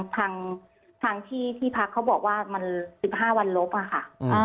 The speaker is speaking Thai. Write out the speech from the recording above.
ทางที่พักเขาบอกว่ามัน๑๕วันลบอะค่ะ